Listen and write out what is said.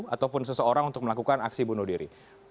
ataupun seseorang untuk melakukan aksi bunuh diri